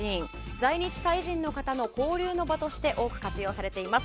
在日タイ人の交流の場として多く活用されています。